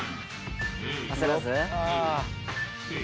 焦らず。